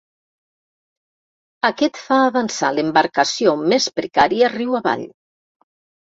Aquest fa avançar l'embarcació més precària riu avall.